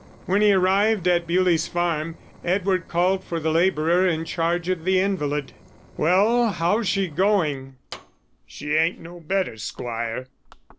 When he arrived at Bewlie's Farm, Edward called for the labourer in charge of the invalid. "Well, how's she going?" "She ain't no better, squire."